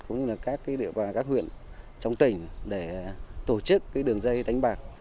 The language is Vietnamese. cũng như là các địa bàn các huyện trong tỉnh để tổ chức đường dây đánh bạc